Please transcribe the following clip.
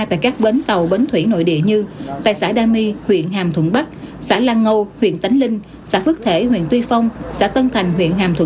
tại các bến tàu bến thủy nội địa như tại xã đa my huyện hàm thuận bắc xã lan ngâu huyện tánh linh